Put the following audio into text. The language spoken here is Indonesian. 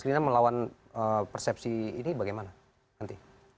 mbak raslina melawan persepsi ini bagaimana nanti